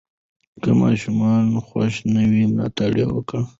که ماشوم خوښ نه وي، ملاتړ یې وکړئ.